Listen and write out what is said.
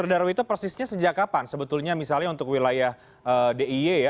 baik dr darwito persisnya sejak kapan sebetulnya misalnya untuk wilayah diy ya